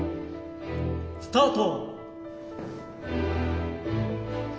スタート。